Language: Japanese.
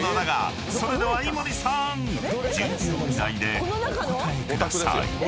［それでは井森さーん１０秒以内でお答えください］え！